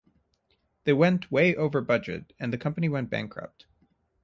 They went way over budget and the company went bankrupt.